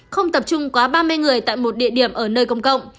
không tập trung quá ba mươi người tại một địa điểm ở nơi công cộng